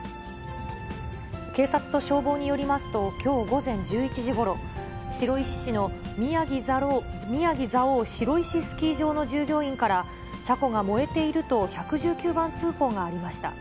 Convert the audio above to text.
警察と消防によりますと、きょう午前１１時ごろ、白石市のみやぎ蔵王白石スキー場の従業員から、車庫が燃えていると１１９番通報がありました。